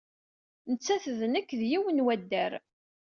Nettat d nekk d yiwen n waddar.